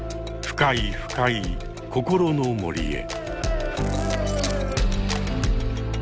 深い深い「心の森」へ。